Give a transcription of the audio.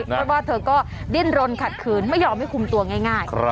เพราะว่าเธอก็ดิ้นรนขัดขืนไม่ยอมให้คุมตัวง่าย